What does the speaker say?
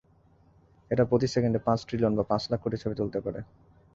এটা প্রতি সেকেন্ডে পাঁচ ট্রিলিয়ন বা পাঁচ লাখ কোটি ছবি তুলতে পারে।